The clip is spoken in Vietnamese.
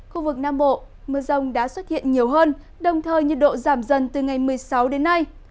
khu vực nam bộ mưa rông đã xuất hiện nhiều hơn đồng thời nhiệt độ giảm dần từ ngày một mươi sáu đến nay